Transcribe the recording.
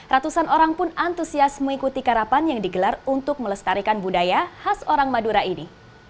ratusan orang pun antusias mengikuti karapan yang digelar untuk melestarikan budaya khas orang madura ini